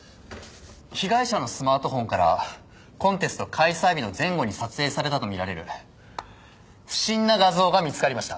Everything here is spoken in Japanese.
被害者のスマートフォンからコンテスト開催日の前後に撮影されたとみられる不審な画像が見つかりました。